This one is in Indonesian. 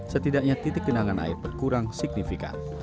setidaknya titik genangan air berkurang signifikan